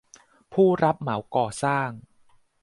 ผู้รับเหมาก่อสร้าง